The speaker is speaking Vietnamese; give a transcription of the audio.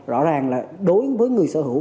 rõ ràng là đối với người sở hữu